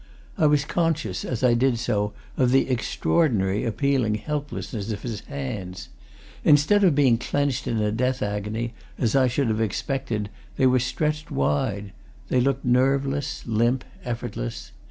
I was conscious as I did so of the extraordinary, appealing helplessness of his hands instead of being clenched in a death agony as I should have expected they were stretched wide; they looked nerveless, limp, effortless.